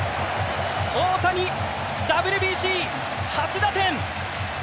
大谷、ＷＢＣ初打点！